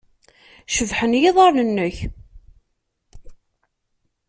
Cebḥen yiḍarren-nnek.